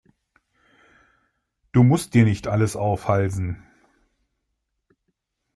Du musst dir nicht alles aufhalsen.